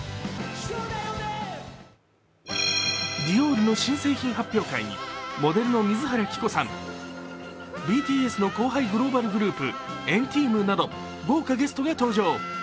ディオールの新製品発表会にモデルの水原希子さんＢＴＳの後輩グローバルグループ、＆ＴＥＡＭなど豪華ゲストが登場。